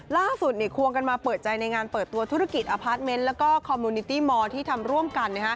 ควงกันมาเปิดใจในงานเปิดตัวธุรกิจอพาร์ทเมนต์แล้วก็คอมมูนิตี้มอร์ที่ทำร่วมกัน